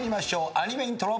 アニメイントロ。